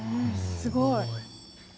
すごい。